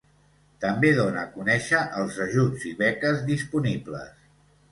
També dona a conèixer els ajuts i beques disponibles.